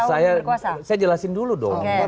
saya jelasin dulu dong